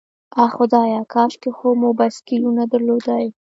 آه خدایه، کاشکې خو مو بایسکلونه درلودای.